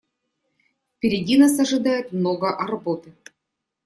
Впереди нас ожидает много работы.